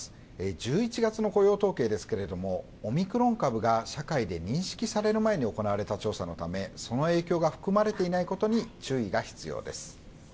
１１月の雇用統計ですけどもオミクロン株が社会で認識される前に行われた調査のためその影響が含まれていないことに注意が必要です。